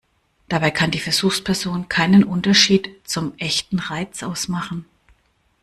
Dabei kann die Versuchsperson keinen Unterschied zum echten Reiz ausmachen.